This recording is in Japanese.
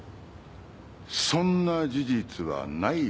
そんな事実はないよ。